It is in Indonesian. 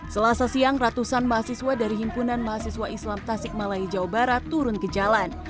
selasa siang ratusan mahasiswa dari himpunan mahasiswa islam tasik malaya jawa barat turun ke jalan